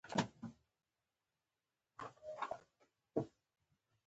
لاندي کړي یې سلګونه وه ملکونه